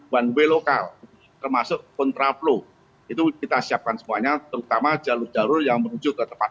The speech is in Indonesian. wanwe lokal termasuk kontraplo itu kita siapkan semuanya terutama jalur jalur yang menuju ke tempat